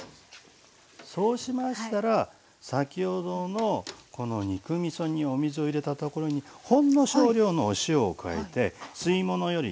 そうしましたら先ほどのこの肉みそにお水を入れたところにほんの少量のお塩を加えて吸い物より濃いめ。